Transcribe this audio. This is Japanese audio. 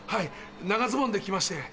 長ズボンで来まして。